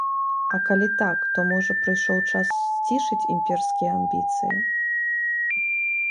А калі так, то можа, прыйшоў час сцішыць імперскія амбіцыі?